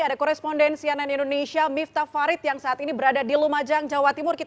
ada korespondensi ann indonesia miftah farid yang saat ini berada di lumajang jawa timur